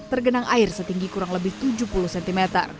tergenang air setinggi kurang lebih tujuh puluh cm